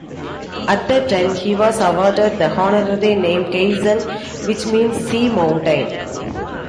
At that time he was awarded the honorary name "Kaizan," which means Sea Mountain.